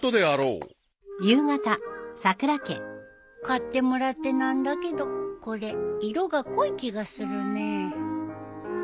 買ってもらってなんだけどこれ色が濃い気がするねえ。